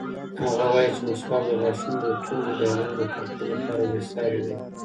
هغه وایي چې مسواک د غاښونو د تورو داغونو د پاکولو لپاره بېساری دی.